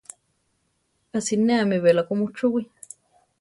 A sinéami belako muchúwii.